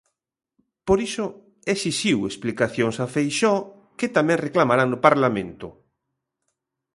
Por iso, exixiu explicacións a Feixóo, que tamén reclamarán no Parlamento.